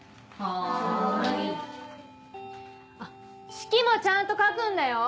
あっ式もちゃんと書くんだよ。